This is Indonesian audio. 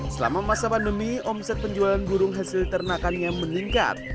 selama masa pandemi omset penjualan burung hasil ternakannya meningkat